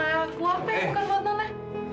apa yang bukan buat nona